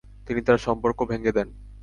তিনি তাঁর সম্পর্কও ভেঙে দেন।